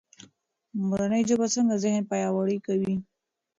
مورنۍ ژبه څنګه ذهن پیاوړی کوي؟